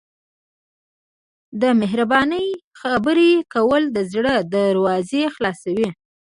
د مهربانۍ خبرې کول د زړه دروازې خلاصوي.